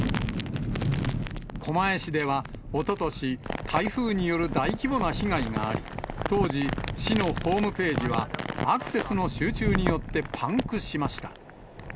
狛江市ではおととし、台風による大規模な被害があり、当時、市のホームページはアクセスの集中によってパンクしました。